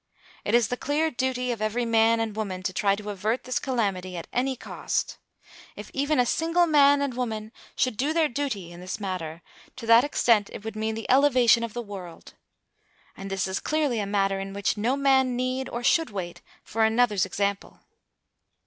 It is the clear duty of every man and woman to try to avert this calamity at any cost. If even a single man and woman should do their duty in this matter, to that extent it would mean the elevation of the world. And this is clearly a matter in which no man need or should wait for another's example.